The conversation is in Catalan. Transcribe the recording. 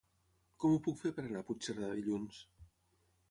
Com ho puc fer per anar a Puigcerdà dilluns?